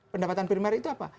pendapatan primer itu apa